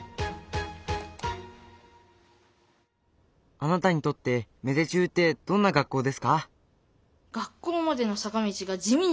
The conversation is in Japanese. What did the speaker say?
あなたにとって芽出中ってどんな学校ですか？